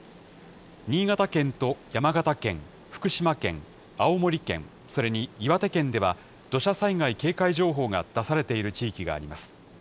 新潟県と山形県、福島県、青森県、それに岩手県では、土砂災害警戒情報が出されている地域があります。